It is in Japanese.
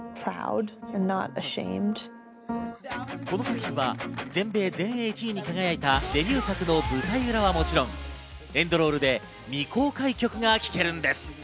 この作品は全米、全英１位に輝いたデビュー作の舞台裏はもちろん、エンドロールで未公開曲が聴けるんです。